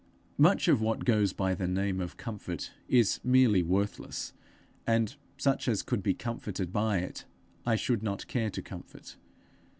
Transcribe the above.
Much of what goes by the name of comfort, is merely worthless; and such as could be comforted by it, I should not care to comfort.